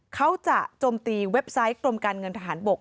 โจมตีเว็บไซต์กรมการเงินทหารบก